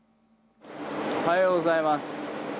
おはようございます。